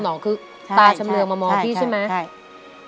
น้องคือตาชำเรืองมามองพี่ใช่ไหมใช่